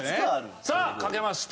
さあ書けました。